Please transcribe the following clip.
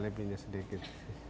lebih dari sedikit